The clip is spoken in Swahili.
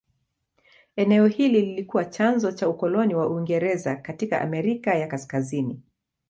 Eneo hili lilikuwa chanzo cha ukoloni wa Uingereza katika Amerika ya Kaskazini.